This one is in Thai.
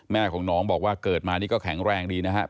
แม่ของน้องบอกว่าเกิดมานี่ก็แข็งแรงดีนะครับ